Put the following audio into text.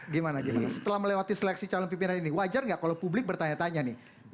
gimana gimana setelah melewati seleksi calon pimpinan ini wajar nggak kalau publik bertanya tanya nih